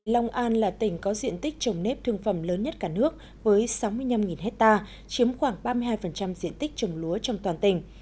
long an là tỉnh có diện tích trồng nếp thương phẩm lớn nhất cả nước với sáu mươi năm hectare chiếm khoảng ba mươi hai diện tích trồng lúa trong toàn tỉnh